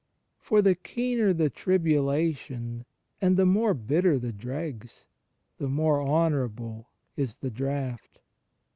For the keener the tribidation and the more bitter the dregs, the more honourable is the draught.